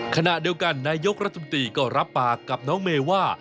ขณะเดียวกันนายกรัฐมนตรีก็รับปากกับน้องเมย์ว่า